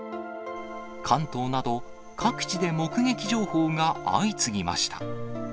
関東など各地で目撃情報が相次ぎました。